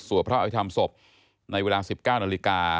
สวพระอาทิตย์ทำศพในเวลา๑๙นาฬิกา